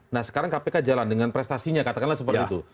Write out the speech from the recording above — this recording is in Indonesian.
nah sekarang kpk jalan dengan prestasinya katakanlah seperti itu